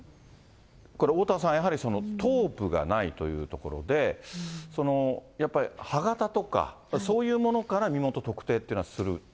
おおたわさん、やはり頭部がないというところで、やっぱり歯型とかそういうものから身元特定というのはする？